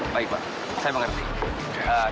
baik pak saya mengerti